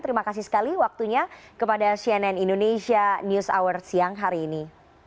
terima kasih sekali waktunya kepada cnn indonesia news hour siang hari ini